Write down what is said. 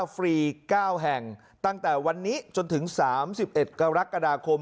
ฟรี๙แห่งตั้งแต่วันนี้จนถึง๓๑กรกฎาคม